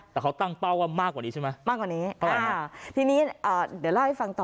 แต่เขาตั้งเป้าว่ามากกว่านี้ใช่ไหมมากกว่านี้ทีนี้เดี๋ยวเล่าให้ฟังต่อ